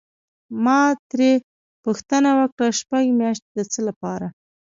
ما ترې پوښتنه وکړه: شپږ میاشتې د څه لپاره؟